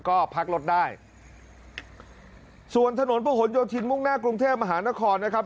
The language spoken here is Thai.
ก็พักรถได้ส่วนถนนประหลโยธินมุ่งหน้ากรุงเทพมหานครนะครับ